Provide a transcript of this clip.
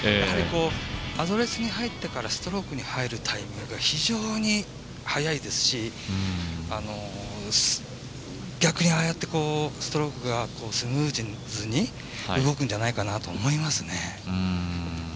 アドレスに入ってからストロークに入るタイミングが非常に早いですし、逆に、ああやってストロークがスムーズに動くんじゃないかなと思いますね。